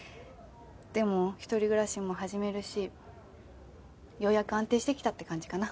でも１人暮らしも始めるしようやく安定してきたって感じかな。